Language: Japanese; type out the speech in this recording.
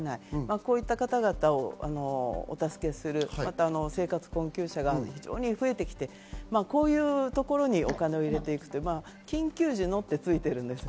こういった方々をお助けする、また生活困窮者が非常に増えてきて、こういうところにお金を入れていく、緊急時のとついてるんです。